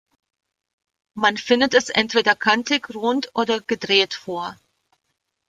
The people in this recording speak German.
Man findet es entweder kantig, rund oder gedreht vor.